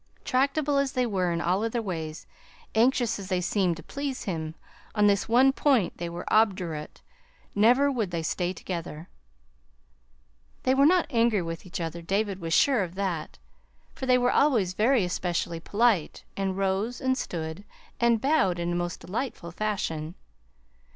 Tractable as they were in all other ways, anxious as they seemed to please him, on this one point they were obdurate: never would they stay together. They were not angry with each other David was sure of that, for they were always very especially polite, and rose, and stood, and bowed in a most delightful fashion.